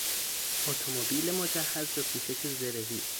اتومبیل مجهز به پوشش زرهی